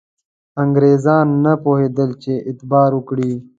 انګرېزان نه پوهېدل چې اعتبار وکړي.